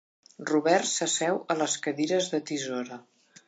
Robert s'asseu a les cadires de tisora.